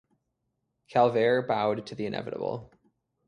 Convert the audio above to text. Calvert bowed to the inevitable.